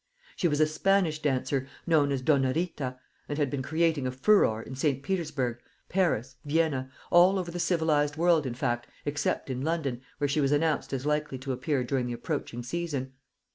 She was a Spanish dancer, known as Donna Rita, and had been creating a furore in St. Petersburg, Paris, Vienna, all over the civilised world, in fact, except in London, where she was announced as likely to appear during the approaching season.